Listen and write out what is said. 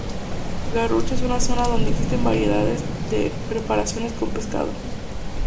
Garrucha es una zona donde existen variedades de preparaciones con pescado.